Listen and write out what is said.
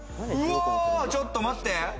ちょっと待って！